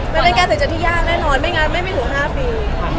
มันเป็นการตัดสินใจที่ยากแน่นอนไม่งั้นไม่ถึง๕ปีค่ะ